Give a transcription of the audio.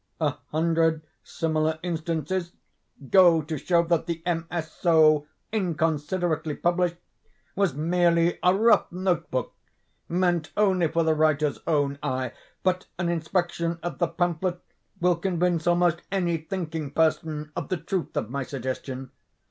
A hundred similar instances go to show that the MS. so inconsiderately published, was merely a rough note book, meant only for the writer's own eye, but an inspection of the pamphlet will convince almost any thinking person of the truth of my suggestion.